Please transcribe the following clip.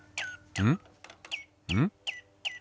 うん？